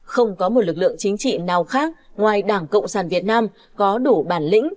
không có một lực lượng chính trị nào khác ngoài đảng cộng sản việt nam có đủ bản lĩnh